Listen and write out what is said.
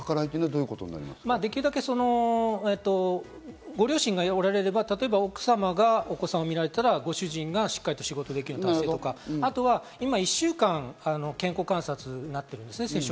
できるだけご両親がおられれば、例えば奥様がお子さんを見られていたらご主人がしっかり仕事できるようにするとか、あと今、１週間の経過観察になっていますね。